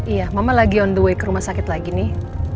iya mama lagi berjalan ke rumah sakit lagi nih